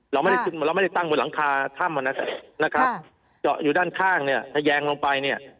เราไม่ได้ขึ้นเราไม่ได้ตั้งบนหลังคาถ้ำนะครับเจาะอยู่ด้านข้างเนี่ยทะแยงลงไปเนี่ย